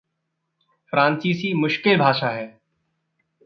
फ़्रांसीसी मुश्किल भाषा है।